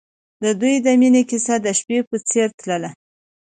د دوی د مینې کیسه د شپه په څېر تلله.